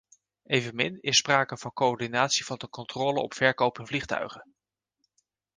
Evenmin is sprake van coördinatie van de controle op verkoop in vliegtuigen.